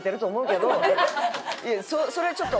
それはちょっと。